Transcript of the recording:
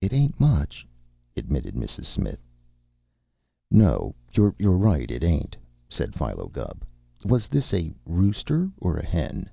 "It ain't much," admitted Mrs. Smith. "No. You're right, it ain't," said Philo Gubb. "Was this a rooster or a hen?"